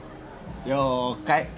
了解。